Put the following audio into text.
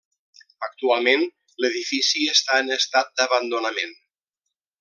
Actualment l'edifici està en estat d'abandonament.